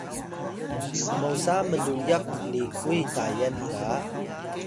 mosa mluyak likuy Tayal ga